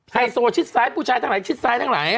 ไฮโซชิดซ้ายผู้ชายทั้งหลายชิดซ้ายทั้งหลาย